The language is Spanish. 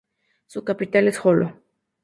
Su capital es Joló.